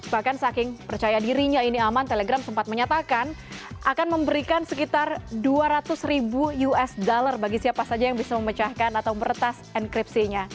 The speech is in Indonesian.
bahkan saking percaya dirinya ini aman telegram sempat menyatakan akan memberikan sekitar dua ratus ribu usd bagi siapa saja yang bisa memecahkan atau meretas enkripsinya